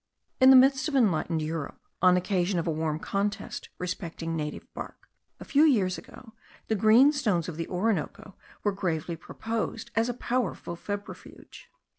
In the midst of enlightened Europe, on occasion of a warm contest respecting native bark, a few years ago, the green stones of the Orinoco were gravely proposed as a powerful febrifuge.